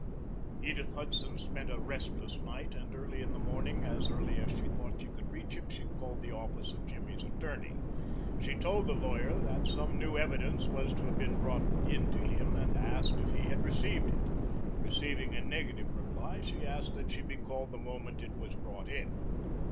Edith Hudson spent a restless night, and early in the morning, as early as she thought she could reach him, she called the office of Jimmy's attorney. She told the lawyer that some new evidence was to have been brought in to him and asked if he had received it. Receiving a negative reply she asked that she be called the moment it was brought in.